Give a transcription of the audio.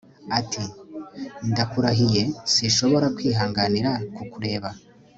Ati Ndakurahiye sinshobora kwihanganira kukureba